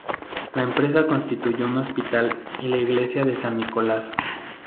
La empresa construyó un hospital y la iglesia de San Nicolás.